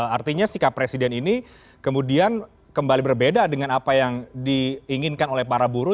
artinya sikap presiden ini kemudian kembali berbeda dengan apa yang diinginkan oleh para buruh